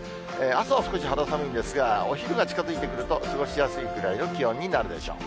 朝は少し肌寒いんですが、お昼が近づいてくると、過ごしやすいくらいの気温になるでしょう。